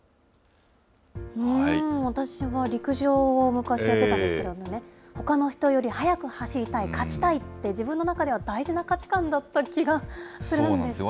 私は陸上を昔やってたんですけれどもね、ほかの人より速く走りたい、勝ちたいって自分の中では大事な価値観だった気がするんですが。